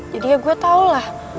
jadi ya gue tau lah